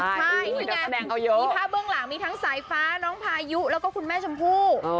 ใช่นี่ไงมีภาพเบื้องหลังมีทั้งสายฟ้าน้องพายุแล้วก็คุณแม่ชมพู่